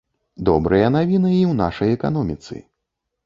Добрыя навіны і ў нашай эканоміцы.